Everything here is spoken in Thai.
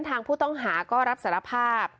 ทางผู้ต้องหาก็รับสารภาพ